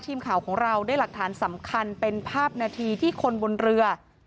ทีมข่าวของเราได้หลักฐานสำคัญเป็นภาพนาทีที่คนบนเรือ